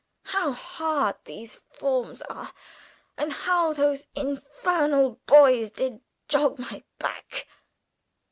How hard these forms are, and how those infernal boys did jog my back!"